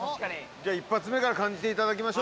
一発目から感じていただきましょうか。